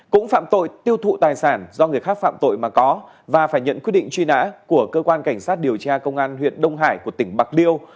cũng phạm tội tiêu thụ tài sản do người khác phạm tội mà có và phải nhận quyết định truy nã của cơ quan cảnh sát điều tra công an huyện đông hải của tỉnh bạc liêu